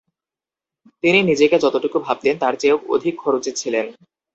তিনি নিজেকে যতটুকু ভাবতেন, তার চেয়েও অধিক খরুচে ছিলেন।